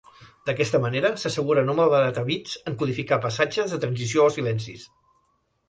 D'aquesta manera, s'assegura no malbaratar bits en codificar passatges de transició o silencis.